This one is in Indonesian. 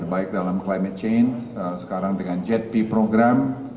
baik dalam climate change sekarang dengan jepi program